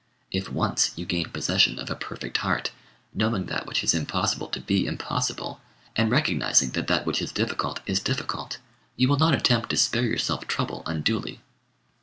If once you gain possession of a perfect heart, knowing that which is impossible to be impossible, and recognizing that that which is difficult is difficult, you will not attempt to spare yourself trouble unduly.